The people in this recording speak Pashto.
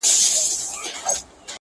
پر پاچا باندي د سر تر سترگو گران وه-